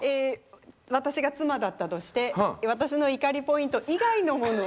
私が妻だったとして私の怒りポイント以外のものを。